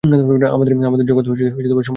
আমাদের জগত সম্পূর্ণ আলাদা।